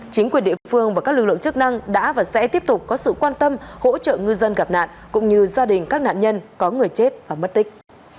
chính quyền địa phương và các lực lượng chức năng đã và sẽ tiếp tục có sự quan tâm hỗ trợ ngư dân gặp nạn cũng như gia đình các nạn nhân có người chết và mất tích